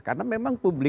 karena memang publik